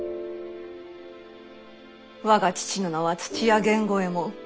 我が父の名は土屋源五右衛門。